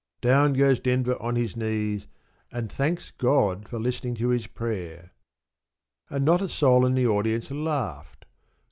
Down goes Denver on his knees, and thanks God for listening to his prayer. And not a soul in the audience laughed.